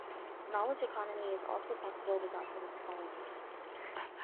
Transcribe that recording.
Knowledge economy is also possible without technology.